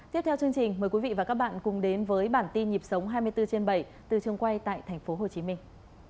tiếp theo chương trình mời quý vị và các bạn cùng đến với bản tin nhịp sống hai mươi bốn trên bảy từ chương quay tại thành phố hồ chí minh